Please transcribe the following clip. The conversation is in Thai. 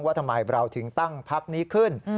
ว่าทำไมเราถึงตั้งพักนี้ขึ้น